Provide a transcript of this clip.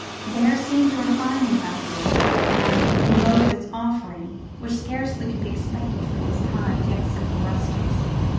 There seemed a refinement about the gift, and the mode of its offering, which scarcely could be expected from these kind yet simple rustics.